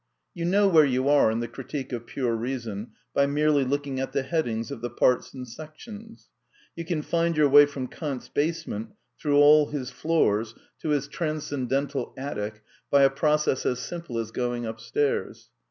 You know where you are in the Critique of Pure Reason by merely looking at the headings of the Parts and Sections. You can find your way from Kant's basement, through all his floors, to his Transcendental attic by a process as simple as going upstairs.